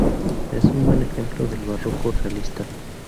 Es un buen ejemplo del barroco realista.